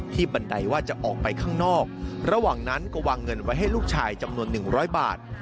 บันไดว่าจะออกไปข้างนอกระหว่างนั้นก็วางเงินไว้ให้ลูกชายจำนวน๑๐๐บาท